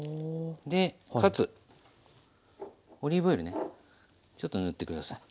でかつオリーブ油ねちょっと塗って下さい。